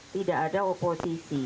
tidak ada oposisi